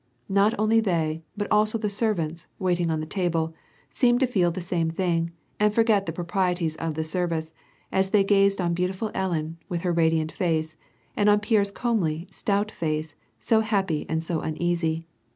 Not only they, but also the servants, waiting on the table, seemed to feel the same thing, and forget the proprieties of the service, as they gazed on beautiful Ellen, with her radiant face, and on Pierre's comely, stout face, so happy and so uneasy.